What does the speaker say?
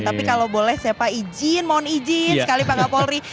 tapi kalau boleh siapa izin mohon izin sekali pak kapolri